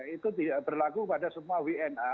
itu tidak berlaku pada semua wna